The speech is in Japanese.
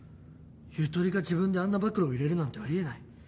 ゆとりが自分であんな暴露を入れるなんてあり得ない。